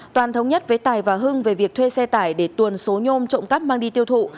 toàn thống nhất với tài và hưng về việc thuê xe tải để tuần số nhôm trộm cắp mang đi tiêu thụ